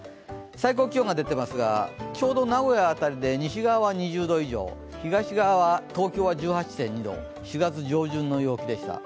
最高気温、ちょうど名古屋あたりで西側が２０度以上東側は東京は１８．２度、４月上旬の陽気でした。